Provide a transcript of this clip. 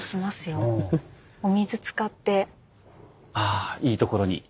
あいいところに。